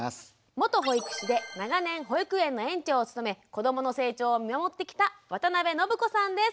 元保育士で長年保育園の園長を務め子どもの成長を見守ってきた渡邊暢子さんです。